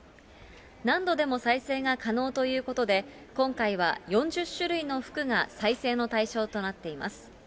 何度でも再生が可能ということで、今回は４０種類の服が再生の対象となっています。